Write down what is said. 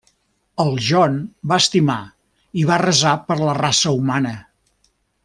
El John va estimar i va resar per la raça humana.